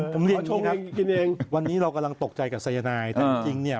ผมเรียกอย่างนี้ครับวันนี้เรากำลังตกใจกับสัญญาณายน์ถ้าจริงเนี่ย